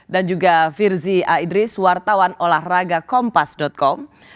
dan juga firzi a idris wartawan olahragakompas com